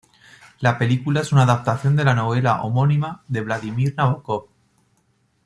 La película es una adaptación de la novela homónima de Vladimir Nabokov.